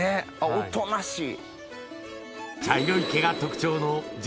おとなしい。